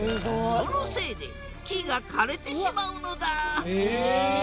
そのせいで木が枯れてしまうのだええ！